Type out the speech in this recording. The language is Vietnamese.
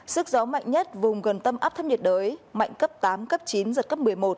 sức gió mạnh nhất vùng gần tâm áp thấp nhiệt đới mạnh cấp tám cấp chín giật cấp một mươi một